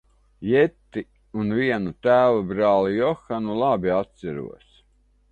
Jetti un vienu tēva brāli Johanu labi atceros.